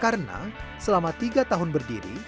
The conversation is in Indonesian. karena selama tiga tahun berdiri